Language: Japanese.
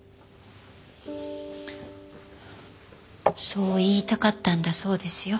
そう言いたかったんだそうですよ。